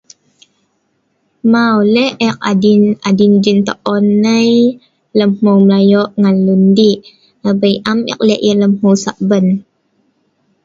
Mau leh' ek adin adin jintoon nai lem hmeu melayo ngan lun di' abei am ek leh' yah lem hmeu Saban